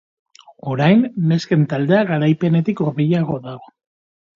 Orain, nesken taldea garaipenetik hurbilago dago.